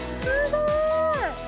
すごーい！